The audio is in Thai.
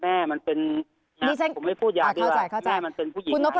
แม่มันเป็นผมไม่พูดหยาบด้วยแม่มันเป็นผู้หญิงหายศิลปะ